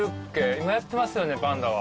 今やってますよねパンダは。